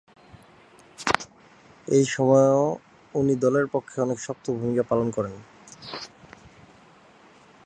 এই সময়ও উনি দলের পক্ষে অনেক শক্ত ভুমিকা পালন করেন।